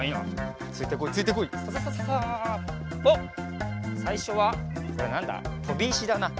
あっさいしょはこれはなんだ？とびいしだな。